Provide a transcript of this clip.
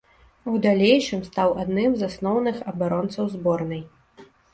У далейшым стаў адным з асноўных абаронцаў зборнай.